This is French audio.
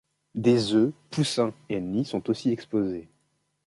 Des œufs, poussins et nids sont aussi exposés.